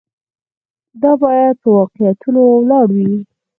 دا باید په واقعیتونو ولاړ وي.